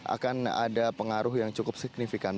akan ada pengaruh yang cukup signifikan